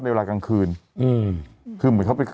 ชอบคุณครับ